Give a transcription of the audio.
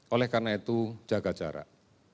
oleh karena itu jaga jarak